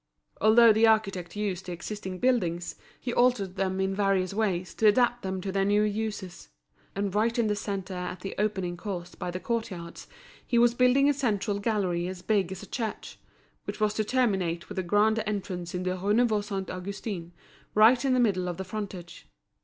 Although the architect used the existing buildings, he altered them in various ways to adapt them to their new uses; and right in the centre at the opening caused by the court yards, he was building a central gallery as big as a church, which was to terminate with a grand entrance in the Rue Neuve Saint Augustin right in the middle of the frontage.